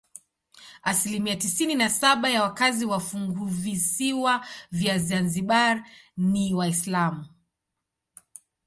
Asilimia tisini na saba ya wakazi wa funguvisiwa vya Zanzibar ni Waislamu.